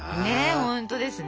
本当ですね。